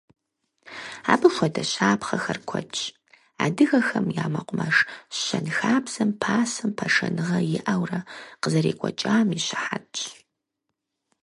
Абы хуэдэ щапхъэхэр куэдщ, адыгэхэм и мэкъумэш щэнхабзэм пасэм пашэныгъэ иӀэурэ къызэрекӀуэкӀам и щыхьэтщ.